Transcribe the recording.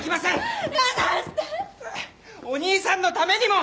お兄さんのためにも！